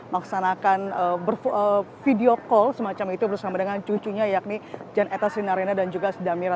melaksanakan video call semacam itu bersama dengan cucunya yakni jan eta sinarena dan juga sedamira